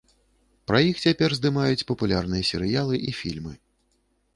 Пра іх цяпер здымаюць папулярныя серыялы і фільмы.